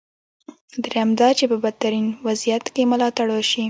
درېیم دا چې په بدترین وضعیت کې ملاتړ وشي.